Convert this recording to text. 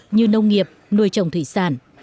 như nông nghiệp nuôi trồng thủy sản